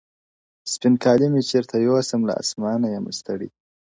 سپین کالي مي چېرته یو سم له اسمانه یمه ستړی-